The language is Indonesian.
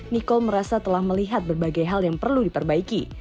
niko merasa telah melihat berbagai hal yang perlu diperbaiki